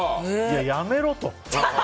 いや、やめろと。